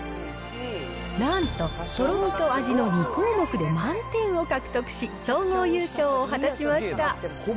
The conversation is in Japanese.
なんと、とろみと味の２項目で満点を獲得し、総合優勝を果たしました。